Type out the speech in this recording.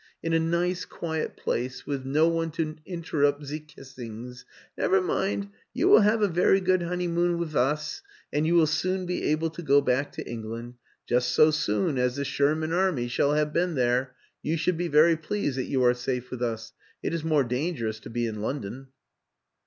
" In a nice quiet place, wiz no one to interrupt zee kissings. Never mind you will have a very good honey moon with us and you will very soon be able to go back to England. Just so soon as the Sher man Army shall have been there. You should be very pleased that you are safe with us: it is more dangerous to be in London."